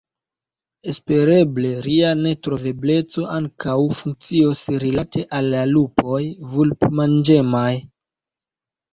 Espereble, ria netrovebleco ankaŭ funkcios rilate al la lupoj vulpmanĝemaj.